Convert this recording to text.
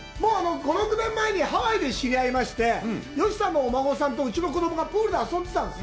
５６年前にハワイで知り合いまして、吉さんのお孫さんとうちの子供がプールで遊んでたんです。